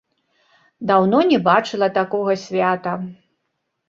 Даўно не бачыла такога свята.